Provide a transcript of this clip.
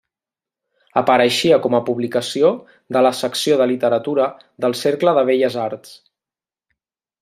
Apareixia com a publicació de la secció de literatura del Cercle de Belles Arts.